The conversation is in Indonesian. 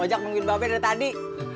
ojak bikin babe dari tadi